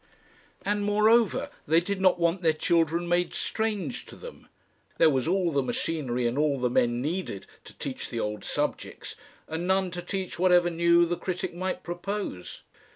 And, moreover, they did not want their children made strange to them. There was all the machinery and all the men needed to teach the old subjects, and none to teach whatever new the critic might propose.